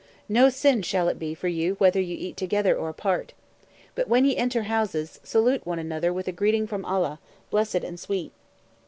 No sin shall it be for you whether ye eat together or apart. But when ye enter houses, salute one another with a greeting from Allah, blessed and sweet.